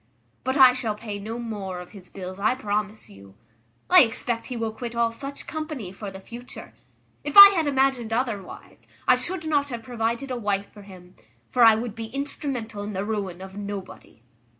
but I shall pay no more of his bills, I promise you. I expect he will quit all such company for the future. If I had imagined otherwise, I should not have provided a wife for him; for I would be instrumental in the ruin of nobody."